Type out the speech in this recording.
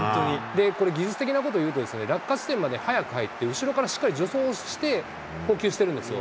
これ、技術的なことをいうと落下地点まで早く入って後ろからしっかり助走をして、捕球してるんですよ。